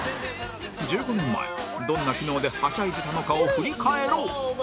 １５年前どんな機能ではしゃいでたのかを振り返ろう！